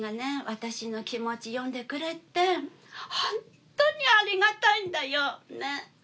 私の気持ち読んでくれてホンットにありがたいんだよ。